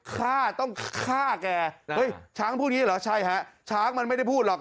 ฆ่าต้องฆ่าแกเฮ้ยช้างพูดอย่างนี้เหรอใช่ฮะช้างมันไม่ได้พูดหรอก